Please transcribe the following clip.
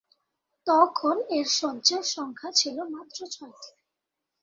তখন এর শয্যার সংখ্যা ছিল মাত্র ছয়টি।